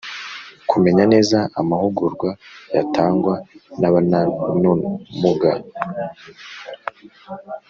Kumenya neza amahugurwa yatangwa n’abananumuga